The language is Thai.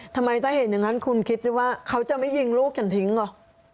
ทำไมถ้าเห็นอย่างนั้นคุณคิดสิว่าเขาจะไม่ยิงลูกฉันทิ้งเหรอ